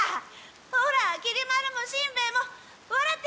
ほらきり丸もしんべヱもわらって！